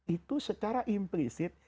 itu secara implisit